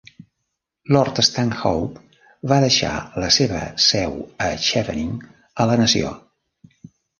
Lord Stanhope va deixar la seva seu a Chevening a la nació.